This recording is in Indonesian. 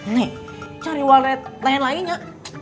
nek cari wallet lain lainnya